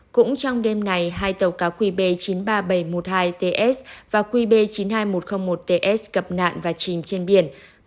cũng trong đêm này hai tàu cá qb chín trăm ba mươi bảy một mươi hai ts và qb chín mươi hai một trăm linh một ts gặp nạn và chìm trên biển